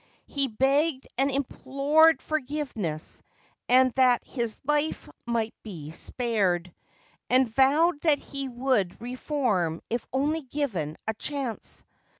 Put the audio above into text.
He begged and implored forgiveness and that his life might be spared, and vowed that he would reform if only given a chance.